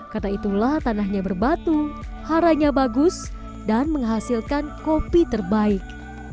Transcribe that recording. karena itulah tanahnya berbatu haranya bagus dan menghasilkan kopi terbaik